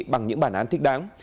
bằng những bản án thích đáng